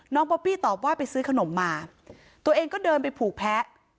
ป๊อปปี้ตอบว่าไปซื้อขนมมาตัวเองก็เดินไปผูกแพ้